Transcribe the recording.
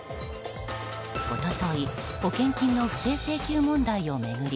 一昨日、保険金の不正請求問題を巡り